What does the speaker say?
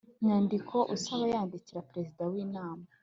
Nyandiko usaba yandikira perezida w inama